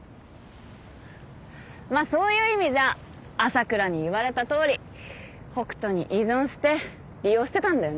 まあそういう意味じゃ朝倉に言われたとおり北斗に依存して利用してたんだよね。